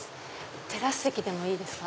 テラス席でもいいですか？